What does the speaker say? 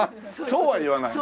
そうは言わない？